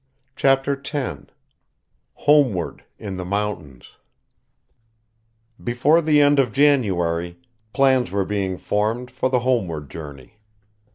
CHAPTER X HOMEWARD: IN THE MOUNTAINS Before the end of January, plans were being formed for the homeward journey.